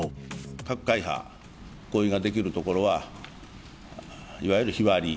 各会派、合意ができるところはいわゆる日割り。